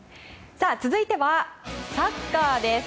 続いてはサッカーです。